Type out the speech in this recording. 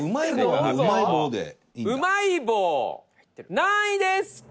トシ：うまい棒、何位ですか？